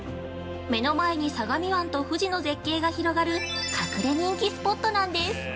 目の前に、相模湾と富士の絶景が広がる、隠れ人気スポットなんです。